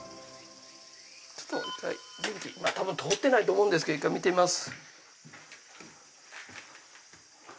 ちょっと１回電気多分通ってないと思うんですけど１回見てみます。